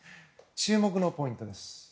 注目のポイントです。